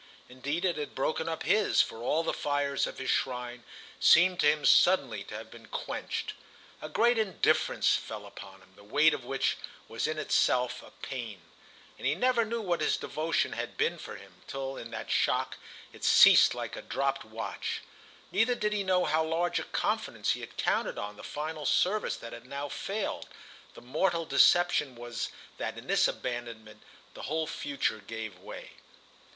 Indeed it had broken up his, for all the fires of his shrine seemed to him suddenly to have been quenched. A great indifference fell upon him, the weight of which was in itself a pain; and he never knew what his devotion had been for him till in that shock it ceased like a dropped watch. Neither did he know with how large a confidence he had counted on the final service that had now failed: the mortal deception was that in this abandonment the whole future gave way.